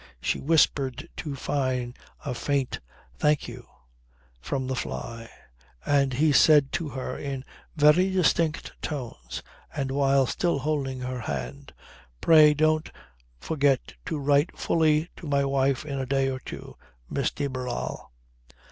She whispered to Fyne a faint "Thank you," from the fly, and he said to her in very distinct tones and while still holding her hand: "Pray don't forget to write fully to my wife in a day or two, Miss de Barral."